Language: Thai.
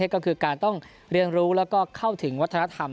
ก็คือการต้องเรียนรู้แล้วก็เข้าถึงวัฒนธรรม